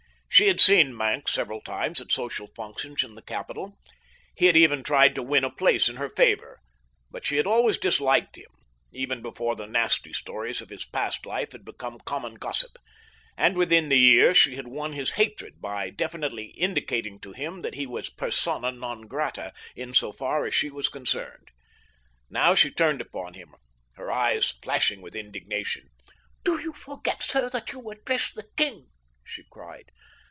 She had seen Maenck several times at social functions in the capital. He had even tried to win a place in her favor, but she had always disliked him, even before the nasty stories of his past life had become common gossip, and within the year she had won his hatred by definitely indicating to him that he was persona non grata, in so far as she was concerned. Now she turned upon him, her eyes flashing with indignation. "Do you forget, sir, that you address the king?" she cried.